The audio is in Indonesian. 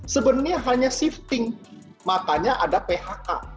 sebenarnya hanya shifting makanya ada phk